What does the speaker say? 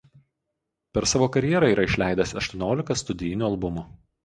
Per savo karjerą yra išleidęs aštuoniolika studijinių albumų.